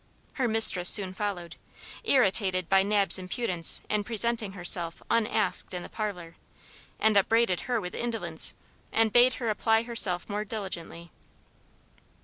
Her mistress soon followed, irritated by Nab's impudence in presenting herself unasked in the parlor, and upbraided her with indolence, and bade her apply herself more diligently.